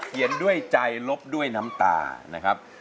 เห็นด้วยใจลบด้วยน้ำตานะครับ